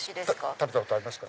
食べたことありますか？